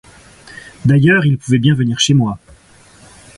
D'ailleurs, il pouvait bien venir chez moi.